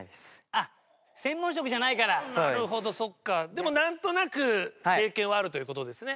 でもなんとなく経験はあるという事ですね。